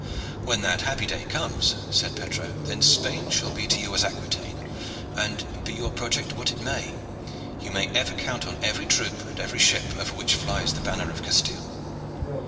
"When that happy day comes," said Pedro, "then Spain shall be to you as Aquitaine, and, be your project what it may, you may ever count on every troop and every ship over which flies the banner of Castile."